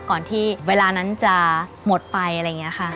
ก่อนที่เวลานั้นจะหมดไปอะไรอย่างนี้ค่ะ